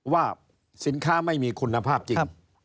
ว่าสินค้าไม่มีคุณภาพจริง